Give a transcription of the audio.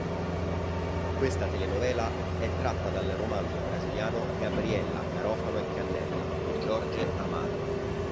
Questa telenovela è tratta dal romanzo brasiliano "Gabriella, garofano e cannella" di Jorge Amado.